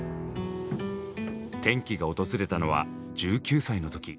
転機が訪れたのは１９歳の時。